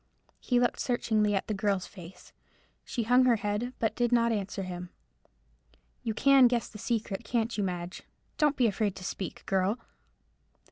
He looked searchingly at the girl's face. She hung her head, but did not answer him. "You can guess the secret, can't you, Madge? Don't be afraid to speak, girl."